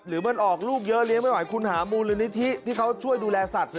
หรือมันออกลูกเยอะเลี้ยงไม่ไหวคุณหามูลนิธิที่เขาช่วยดูแลสัตว์